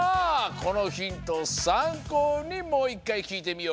このヒントをさんこうにもういっかいきいてみよう！